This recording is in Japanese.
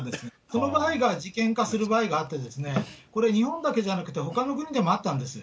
この場合が事件化する場合があって、これ、日本だけじゃなくて、ほかの部分でもあったんです。